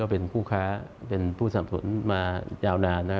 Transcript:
เป็นผู้ข้าผู้สนับสนุนมายาวนาน